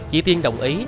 chị tiên đồng ý